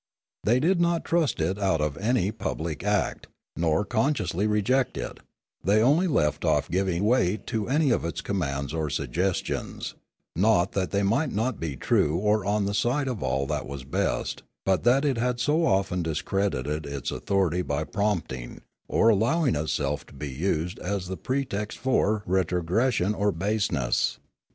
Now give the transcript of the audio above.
They did not thrust it out by any pub lic act, nor consciously reject it, they only left off giv ing weight to any of its commands or suggestions; not that they might not be true or on the side of all that was best; but that it had so often discredited its au thority by prompting, or allowing itself to be used as the pretext for, retrogression or baseness.